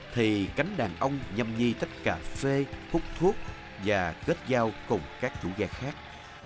thì cánh đàn ông nhầm nhi tất cả phê hút thuốc và kết giao cùng các chủ gia khác